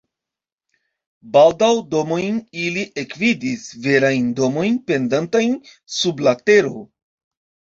Baldaŭ domojn ili ekvidis, verajn domojn pendantajn sub la tero.